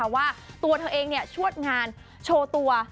ว่าตัวเธอเองชวดงานโชว์ตัว